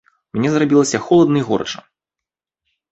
Мне зрабілася холадна і горача.